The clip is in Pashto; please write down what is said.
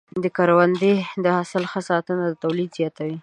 د کروندې د حاصل ښه ساتنه د تولید زیاتوي.